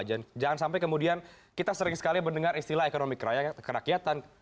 jangan sampai kemudian kita sering sekali mendengar istilah ekonomi kerakyatan